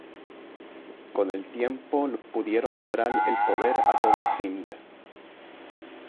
Con el tiempo pudieron lograr el poder a todo Sind.